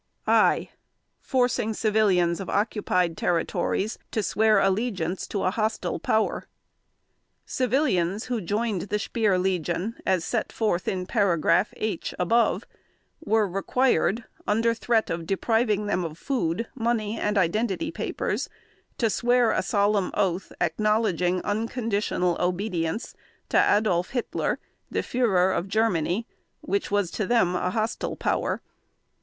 (I) FORCING CIVILIANS OF OCCUPIED TERRITORIES TO SWEAR ALLEGIANCE TO A HOSTILE POWER Civilians who joined the Speer Legion, as set forth in paragraph (H) above, were required, under threat of depriving them of food, money, and identity papers, to swear a solemn oath acknowledging unconditional obedience to Adolf Hitler, the Führer of Germany, which was to them a hostile power.